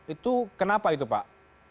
itu kenapa pak